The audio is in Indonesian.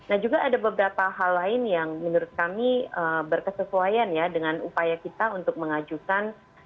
nah juga ada beberapa hal lain yang menurut kami berkesesuaian ya dengan upaya kita untuk mengajukan